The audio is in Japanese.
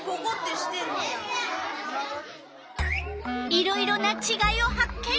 いろいろなちがいを発見！